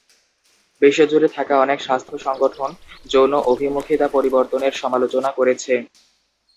বিশ্বজুড়ে থাকা অনেক স্বাস্থ্য সংগঠন যৌন অভিমুখিতা পরিবর্তনের সমালোচনা করেছে।